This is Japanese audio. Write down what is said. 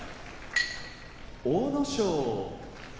阿武咲